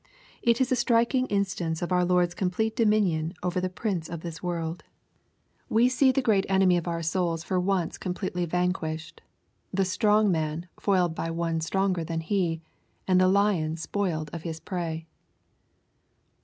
It is a striking instance of oui Lord's complete dominion over the prince of this world. We see the great enemy LTJKE, CHAP. vm. 267 of our souls for once completely vanquished, — the "strong man" foiled by One stronger than he, and the lion spoil ed of his prey.